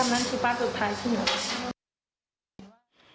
ถ้าเมื่อนั้นที่ป้าสุดท้ายขึ้นรถ